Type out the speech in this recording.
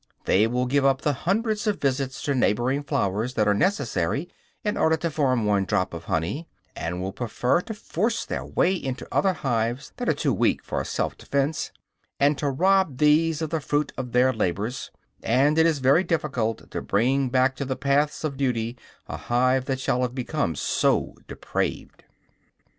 They will give up the hundreds of visits to neighboring flowers that are necessary in order to form one drop of honey, and will prefer to force their way into other hives, that are too weak for selfdefense, and to rob these of the fruit of their labors; and it is very difficult to bring back to the paths of duty a hive that shall have become so depraved.